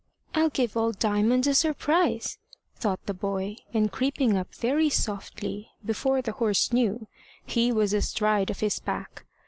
"I'll give old Diamond a surprise," thought the boy; and creeping up very softly, before the horse knew, he was astride of his back.